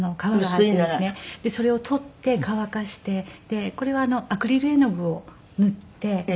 それを取って乾かしてでこれはアクリル絵の具を塗って。